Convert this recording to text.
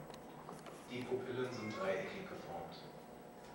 Die Pupillen sind dreieckig geformt.